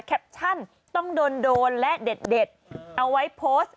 แคปชั่นต้องโดนและเด็ดเอาไว้โพสต์